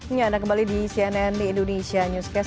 ini ada kembali di cnn indonesia newscast